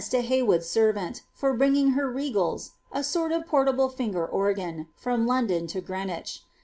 to Hey wood's servant, for bringing her i^ib sort of portable finger organ) from London to Greenwich.